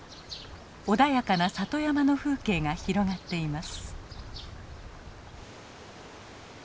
穏やかな里山の風景が広がっています。